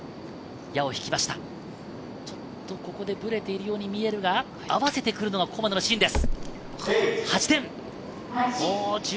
ちょっとここでブレているように見えるが、合わせてくるのがここまでのシンです。